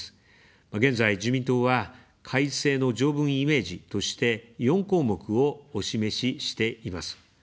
現在、自民党は改正の条文イメージとして、４項目をお示ししています。